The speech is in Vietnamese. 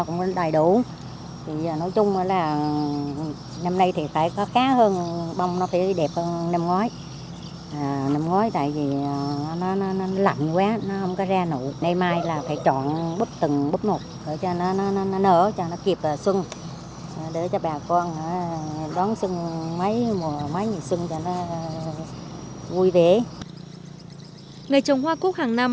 người trồng hoa cúc hàng năm